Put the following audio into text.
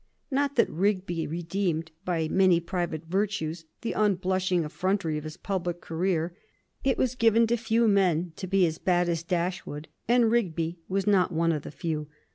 Not that Rigby redeemed by many private virtues the unblushing effrontery of his public career. It was given to few men to be as bad as Dashwood, and Rigby was not one of the few.